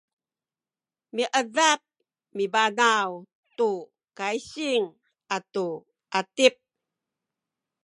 miedap mibanaw tu kaysing atu atip